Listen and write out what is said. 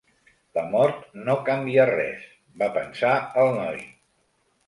La mort no canvia res, va pensar el noi.